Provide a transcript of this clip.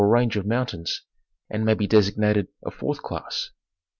range of moun tains, and may be designated a fourth class.